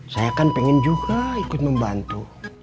saya kan pengen juga ikut membantu